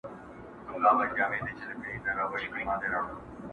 د نجلۍ چيغې فضا ډکوي او د کور هر غړی اغېزمنوي،